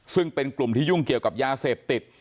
ซึ่งเป็นกลุ่มที่ยุ่งเกี่ยวกับยาเสพติด